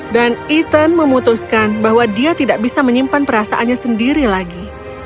dan ethan memutuskan bahwa dia tidak bisa menyimpan perasaannya sendiri lagi